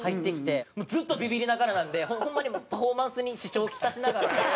もうずっとビビりながらなんでホンマにもうパフォーマンスに支障を来しながら。